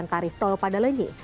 penyesuaian tarif tol pada lenyi